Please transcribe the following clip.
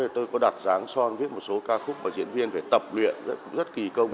tôi có đặt giáng son viết một số ca khúc và diễn viên phải tập luyện rất kỳ công